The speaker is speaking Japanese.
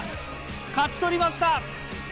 勝ち取りました！